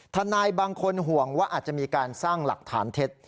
ทนายบางคนห่วงว่าอาจจะมีการสร้างหลักฐานเท็จ